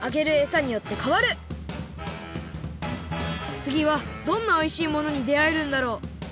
つぎはどんなおいしいものにであえるんだろう？